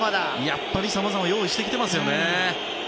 やっぱりさまざま用意してきてますよね。